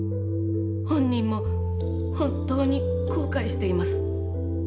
本人も本当に後悔しています。